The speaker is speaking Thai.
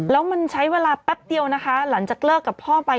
แล้วมันใช้เวลาแป๊บเดียวนะคะหลังจากเลิกกับพ่อไป